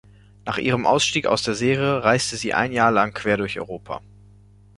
Nach ihrem Ausstieg aus der Serie reiste sie ein Jahr lang quer durch Europa.